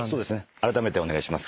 あらためてお願いします。